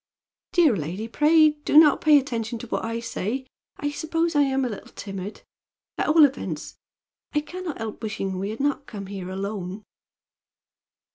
"Dear lady, pray do not pay any attention to what I say. I suppose I am a little timid. At all events, I can not help wishing we had not come here alone."